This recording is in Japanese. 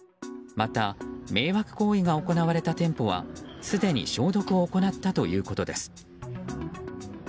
また、迷惑行為が行われた店舗はすでに消毒を行ったということです。